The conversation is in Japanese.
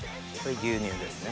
牛乳ですね